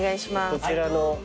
こちらの。